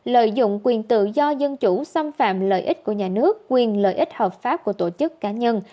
lợi dụng quyền tự do dân chủ xâm phạm lợi ích của nhà nước quyền lợi ích hợp pháp của tổ chức cá nhân